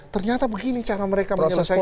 ternyata begini cara mereka menyelesaikan